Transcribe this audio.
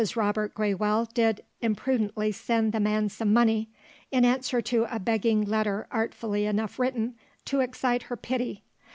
Robert Graywell did imprudently send the man some money in answer to a begging letter artfully enough written to excite her pity.